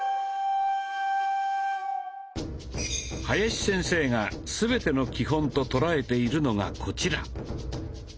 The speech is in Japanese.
林先生が全ての基本と捉えているのがこちら。